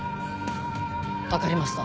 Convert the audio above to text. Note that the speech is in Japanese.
分かりました。